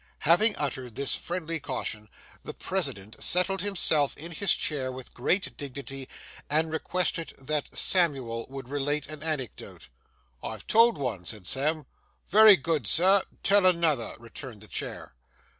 Having uttered this friendly caution, the President settled himself in his chair with great dignity, and requested that Mr. Samuel would relate an anecdote. 'I've told one,' said Sam. 'Wery good, sir; tell another,' returned the chair.